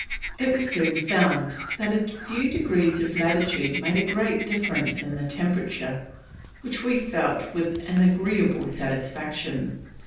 It was soon found that a few degrees of latitude made a great difference in the temperature, "which we felt with an agreeable satisfaction."